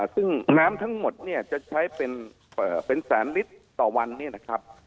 ซึ่งน้ำทั้งหมดเนี่ยจะใช้เป็นแสนลิตรต่อวันเนี่ยนะครับ